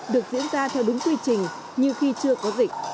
được diễn ra theo đúng quy trình như khi chưa có dịch